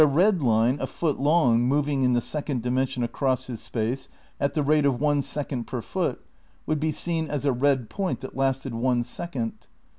250 THE NEW IDEALISM vii line a foot long, moving in the second dimension across his space at the rate of one second per foot, would be seen as a red point that lasted one second.